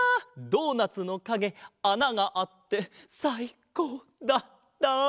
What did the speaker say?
ドーナツのかげあながあってさいこうだった！